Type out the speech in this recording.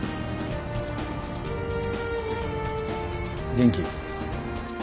元気？